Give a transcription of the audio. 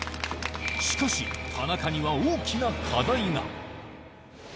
しかし、田中には大きな課題が。